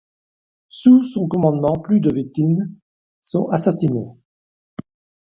Sous son commandement, plus de victimes sont assassinées.